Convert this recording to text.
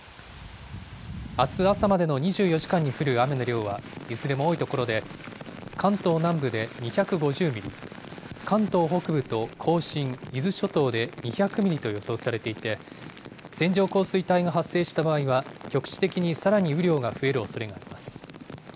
あす朝までの２４時間に降る雨の量はいずれも多い所で、関東南部で２５０ミリ、関東北部と甲信、伊豆諸島で２００ミリと予想されていて、線状降水帯が発生した場合は、局地的にさらに雨量が増えるおそれがあります。